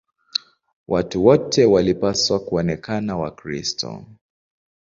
Watu wote walipaswa kuonekana Wakristo.